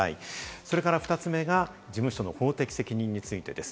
それから２つ目が事務所の法的責任についてです。